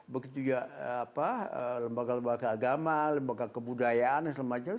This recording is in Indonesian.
begitu juga apa lembaga lembaga agama lembaga kebudayaan dan semacamnya